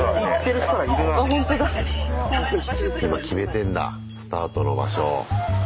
今決めてんだスタートの場所。